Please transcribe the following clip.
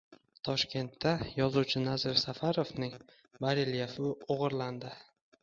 Toshkentda yozuvchi Nazir Safarovning barelyefi o‘g‘irlandi